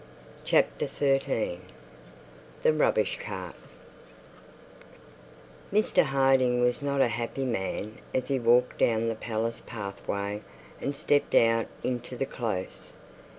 CHAPTER XIII THE RUBBISH CART Mr Harding was not a happy man as he walked down the palace pathway, and stepped out into the close.